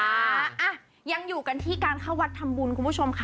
อ่ะยังอยู่กันที่การเข้าวัดทำบุญคุณผู้ชมค่ะ